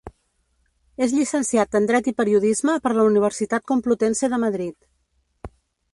És llicenciat en dret i periodisme per la Universitat Complutense de Madrid.